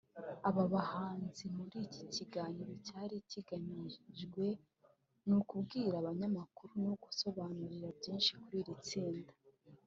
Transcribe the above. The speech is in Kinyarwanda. Aba bahanzi muri iki kiganiro icyari kigamijwe ni ukwibwira abanyamakuru no kubasobanurira byinshi kuri iri tsinda